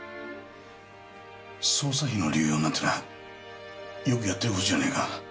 捜査費の流用なんてのはよくやってる事じゃねえか。